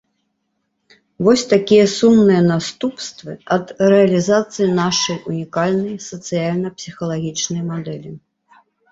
Вось такія сумныя наступствы ад рэалізацыі нашай унікальнай сацыяльна-псіхалагічнай мадэлі.